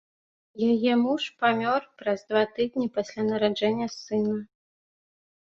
Яе муж памёр праз два тыдні пасля нараджэння сына.